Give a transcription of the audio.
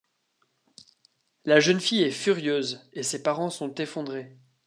La jeune fille est furieuse et ses parents sont effondrés.